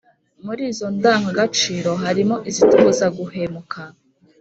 Muri izo ndagagaciro harimo izitubuza guhemuka,